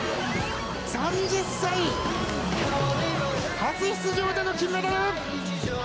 ３０歳、初出場での金メダル！